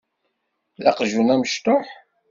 D aqjun amecṭuḥ.